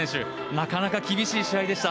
なかなか厳しい試合でした。